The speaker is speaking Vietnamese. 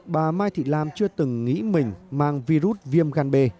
bà mai thị lam chưa từng nghĩ mình mang virus viêm gan b